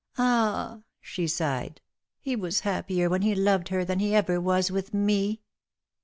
''Ah!" she sighed^ "he was happier when he loved her than he ever was with me."